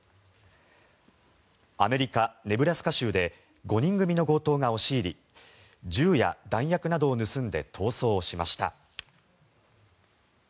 アメリカ・ネブラスカ州で５人組の強盗が押し入り銃や弾薬などを盗んで逃走しました。